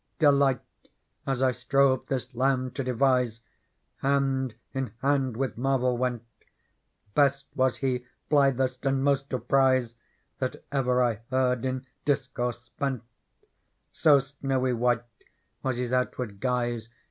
Delight, as I strove this Lamb to devise. Hand in hand with marvel went ; Best was He, blithest and most to prize. That ever I heard in discourse spent ; So snowy white was His outwardjyjise.